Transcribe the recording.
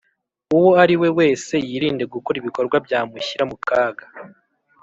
uwo ari we wese yirinde gukora ibikorwa byamushyira mu kaga